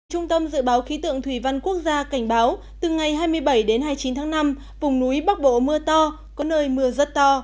trung tâm dự báo khí tượng thủy văn quốc gia cảnh báo từ ngày hai mươi bảy đến hai mươi chín tháng năm vùng núi bắc bộ mưa to có nơi mưa rất to